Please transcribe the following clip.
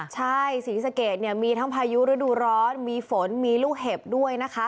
ใช่ศรีสะเกดเนี่ยมีทั้งพายุฤดูร้อนมีฝนมีลูกเห็บด้วยนะคะ